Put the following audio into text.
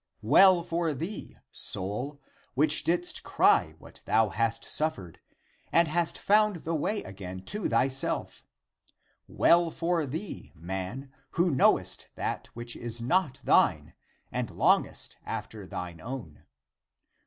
Well for thee, soul, which didst cry what thou hast suffered, and hast found the way again to thyself! W'ell for thee, man, who knowest that which is not thine and longest after thine own